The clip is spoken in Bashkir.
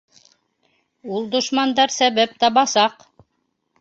— Ул дошмандар сәбәп табасаҡ.